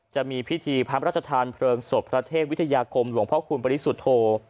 จะมีพิธีพระราชทานเพลิงศพพระเทพวิทยาคมหลวงพ่อคูณปริสุทธโธ